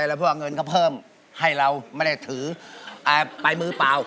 แล้วเพื่อเงินเขาเพิ่มให้เราไม่ได้ถือไปมือเปล่า